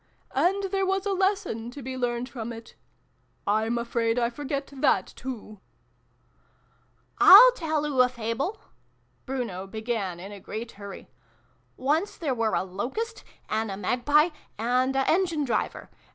" And there was a lesson to be learned from it. I'm afraid I forget that, too." "/'// tell oo a Fable !" Bruno began in a great hurry. "Once there were a Locust, and a Magpie, and a Engine driver.